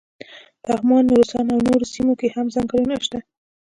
لغمان، نورستان او نورو سیمو کې هم څنګلونه شته دي.